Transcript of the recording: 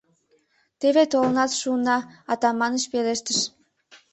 — Теве толынат шуна, — Атаманыч пелештыш.